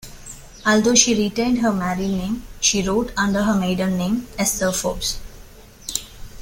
Although she retained her married name, she wrote under her maiden name, Esther Forbes.